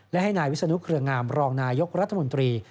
และให้นายวิศนุเครืองามรองนายกรัฐมนตรี